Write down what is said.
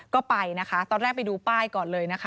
ก็ไปนะคะตอนแรกไปดูป้ายก่อนเลยนะคะ